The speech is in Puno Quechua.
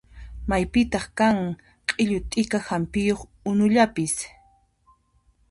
Maypitaq kan q'illu t'ika hampiyuq unullapis?